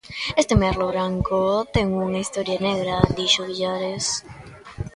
Este merlo branco ten unha historia negra, dixo Villares.